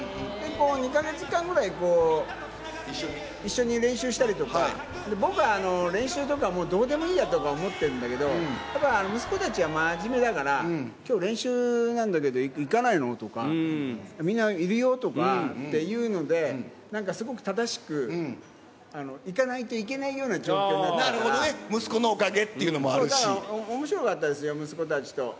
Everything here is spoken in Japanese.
２か月間ぐらい一緒に練習したりとか、僕は練習とか、もうどうでもいいやとか思ってるんだけど、たぶん息子たちは真面目だから、きょう、練習なんだけど、行かないの？とか、みんないるよとかって言うので、なんかすごく正しく、行かないとなるほどね、息子のおかげっそう、だから、おもしろかったですよ、息子たちと。